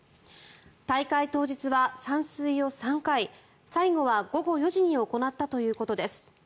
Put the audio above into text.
大会当日は散水を３回最後は午後４時に行ったということです。